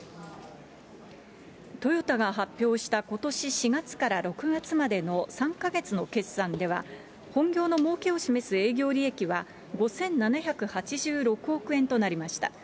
トヨタが発表したことし４月から６月までの３か月の決算では、本業のもうけを示す営業利益は５７８６億円となりました。